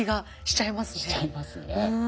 しちゃいますね。